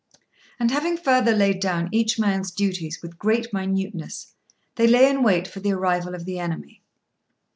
And having further laid down each man's duties with great minuteness, they lay in wait for the arrival of the enemy.